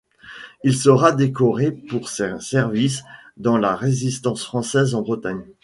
Il sera décoré pour ses services dans la Résistance française en Bretagne.